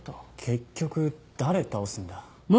結局誰倒すんだ？